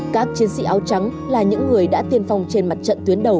các chiến sĩ áo trắng là những người đã tiên phong trên mặt trận tuyến đầu